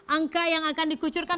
angka yang akan dikucurkan